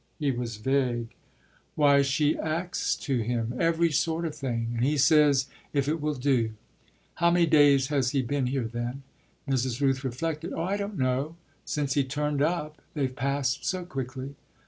He was vague. "Why she acts to him every sort of thing and he says if it will do." "How many days has he been here then?" Mrs. Rooth reflected. "Oh I don't know! Since he turned up they've passed so quickly."